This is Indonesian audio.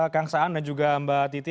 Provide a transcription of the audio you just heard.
kang saan dan juga mbak titi